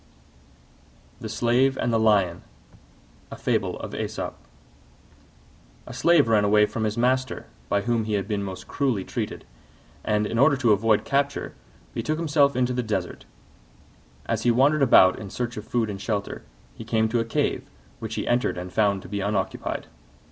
THE SLAVE AND THE LION A Slave ran away from his master, by whom he had been most cruelly treated, and, in order to avoid capture, betook himself into the desert. As he wandered about in search of food and shelter, he came to a cave, which he entered and found to be unoccupied.